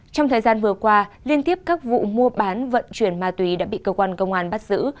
trong thời gian vừa qua liên tiếp các vụ mua bán vận chuyển ma túy đã bị cơ quan công an bắt giữ